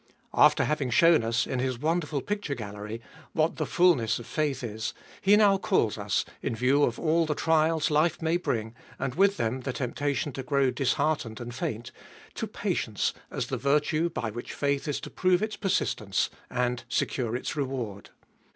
After having shown us, in his wonderful picture gallery, what the fulness of faith is, he now calls us, in view of all the trials life may bring, and with them the temptation to grow disheartened and faint, to patience as the virtue by which faith is to prove its persistence and secure its reward.